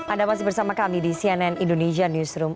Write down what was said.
anda masih bersama kami di cnn indonesia newsroom